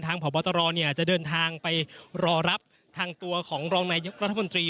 พบตรจะเดินทางไปรอรับทางตัวของรองนายกรัฐมนตรี